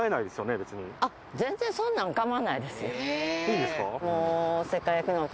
いいんですか？